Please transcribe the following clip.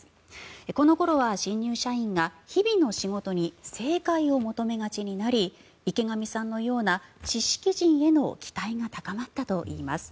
この頃は新入社員が日々の仕事に正解を求めがちになり池上さんのような知識人への期待が高まったといいます。